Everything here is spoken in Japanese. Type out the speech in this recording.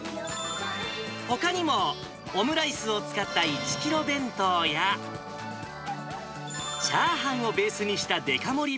ほかにもオムライスを使った１キロ弁当や、チャーハンをベースにしたでか盛り